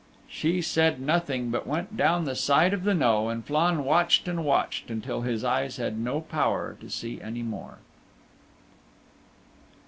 She said nothing but went down the side of the knowe and Flann watched and watched until his eyes had no power to see any more.